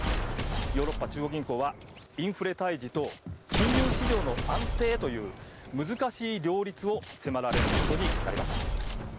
ヨーロッパ中央銀行はインフレ退治と金融市場の安定という難しい両立を迫られることになります。